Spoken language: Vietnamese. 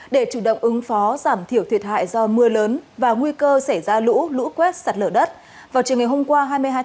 để chủ động ứng phó giảm thiểu thuyệt hại do mưa lớn và nguy cơ xảy ra lũ lũ quét sặt lở đất vào chiều hôm qua hai mươi hai một mươi